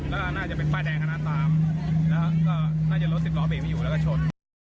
แล้วน่าจะเป็นป้ายแดงคณะตามแล้วก็น่าจะรถสิบล้อเบรกไม่อยู่แล้วก็ชน